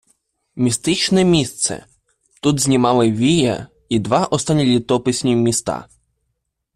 Містичне місце: тут знімали "Вія" І два останні літописні міста.